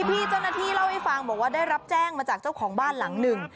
พี่เจ้าหน้าที่เล่าให้ฟังบอกว่าได้รับแจ้งมาจากเจ้าของบ้านหลังหนึ่ง